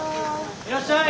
いらっしゃい！